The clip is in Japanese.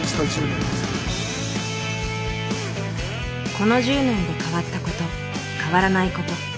この１０年で変わったこと変わらないこと。